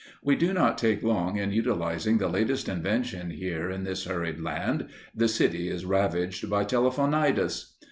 We do not take long in utilizing the latest invention here in this hurried land the city is ravaged by Telephonitis.